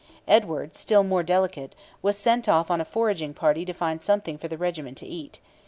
Edward, still more delicate, was sent off on a foraging party to find something for the regiment to eat.